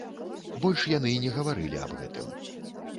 Больш яны не гаварылі аб гэтым.